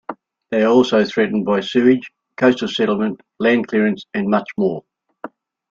They are also threatened by sewage, coastal settlement, land clearance and much more.